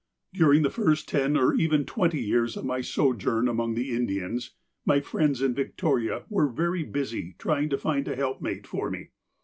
During the first ten or even twenty years of my sojourn among the Indians, my friends in Victoria were very busy trying to find a help mate for me.